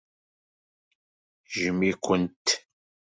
Yejjem-ikent.